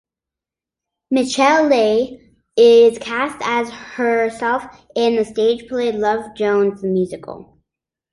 Michel'le is cast as herself in the stage play "Love Jones the Musical".